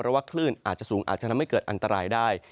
เพราะว่าคลื่นอาจจะสูงอาจจะทำให้เกิดอันตรายได้